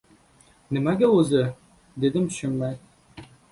— Nimaga o‘zi? — dedim tushunmay.